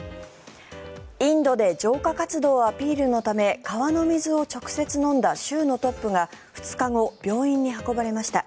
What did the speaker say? インドで浄化活動アピールのため川の水を直接飲んだ州のトップが２日後病院に運ばれました。